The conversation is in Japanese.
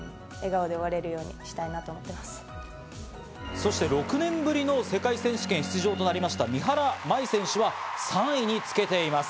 そして６年ぶりの世界選手権出場となりました三原舞依選手は３位につけています。